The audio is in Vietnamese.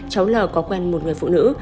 cháu lò có quen một người phụ nữ